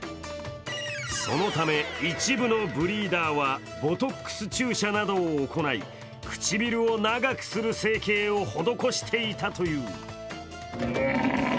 そのため一部のブリーダーは、ボトックス注射などを行い唇を長くする整形を施していたという。